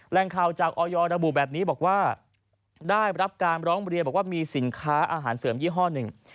แรงข่าวจากออยระบุแบบนี้บอกว่าได้รับการร้องเรียนบอกว่ามีสินค้าอาหารเสริมยี่ห้อหนึ่ง